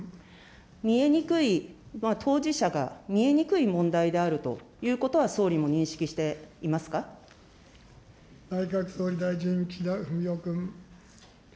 見えにくい、当事者が見えにくい問題であるということは、総理も認識していま内閣総理大臣、岸田文雄君。